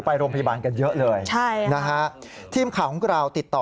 ไปโรงพยาบาลกันเยอะเลยใช่นะฮะทีมข่าวของเราติดต่อ